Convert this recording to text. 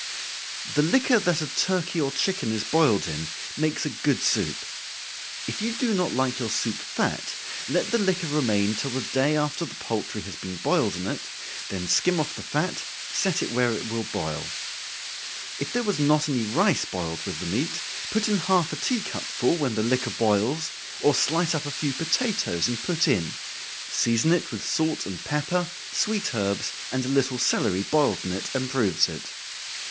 _ The liquor that a turkey or chicken is boiled in, makes a good soup. If you do not like your soup fat, let the liquor remain till the day after the poultry has been boiled in it, then skim off the fat, set it where it will boil. If there was not any rice boiled with the meat, put in half a tea cup full, when the liquor boils, or slice up a few potatoes and put in season it with salt and pepper, sweet herbs, and a little celery boiled in it improves it.